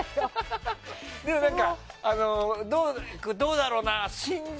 でも、これどうだろうな。